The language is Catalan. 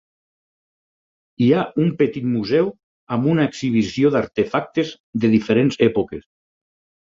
Hi ha un petit museu amb una exhibició d'artefactes de diferents èpoques.